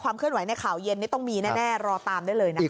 เคลื่อนไหวในข่าวเย็นนี้ต้องมีแน่รอตามได้เลยนะคะ